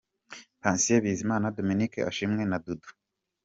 Patient Bizimana, Dominic Ashimwe na Dudu.